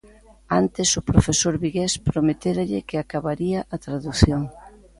Antes, o profesor vigués prometéralle que acabaría a tradución.